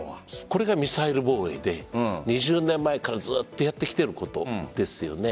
これがミサイル防衛で２０年前からずっとやってきていることですよね。